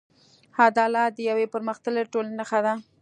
عدالت د یوې پرمختللې ټولنې نښه ده.